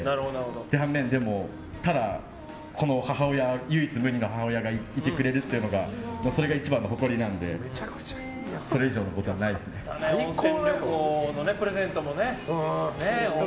反面、ただこの母親唯一無二の母親がいてくれるというのがそれが一番の誇りなのでそれ以上のことはないですね。最高のプレゼントもね。